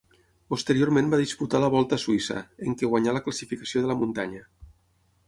Posteriorment va disputar la Volta a Suïssa, en què guanyà la classificació de la muntanya.